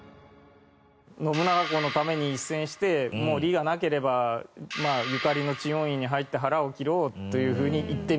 信長公のために一戦して利がなければゆかりの知恩院に入って腹を切ろうというふうに言ってみると。